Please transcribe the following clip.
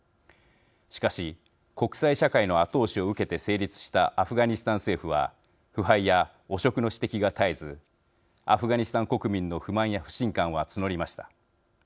しかし国際社会の後押しを受けて成立したアフガニスタン政府は腐敗や汚職の指摘が絶えずアフガニスタン国民の不満や不信感は募りました。